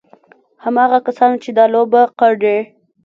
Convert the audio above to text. هماغه کسانو چې دا لوبه کړې.